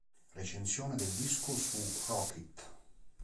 Recensione del disco su Rockit